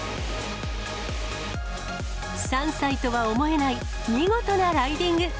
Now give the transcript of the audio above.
３歳とは思えない見事なライディング。